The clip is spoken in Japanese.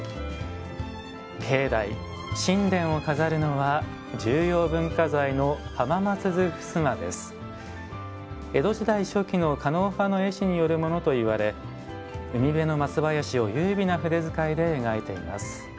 境内宸殿を飾るのは江戸時代初期の狩野派の絵師によるものといわれ海辺の松林を優美な筆遣いで描いています。